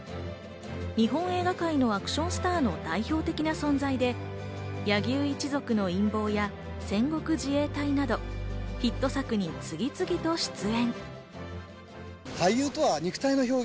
日本映画界のアクションスターの代表的な存在で、『柳生一族の陰謀』や『戦国自衛隊』などヒット作に次々と出演。